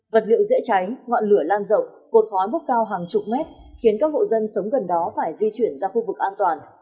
vật liệu dễ cháy ngọn lửa lan rộng cột khói bốc cao hàng chục mét khiến các hộ dân sống gần đó phải di chuyển ra khu vực an toàn